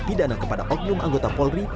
pidana kepada oknum anggota polri